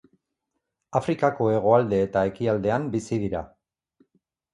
Afrikako hegoalde eta ekialdean bizi dira.